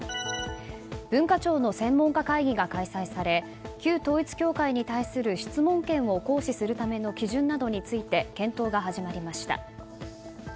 文化庁の専門家会議が開催され旧統一教会に対する質問権を行使するための基準などについて検討が始まりました。